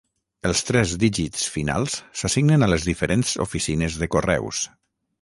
Els tres dígits finals s'assignen a les diferents oficines de correus.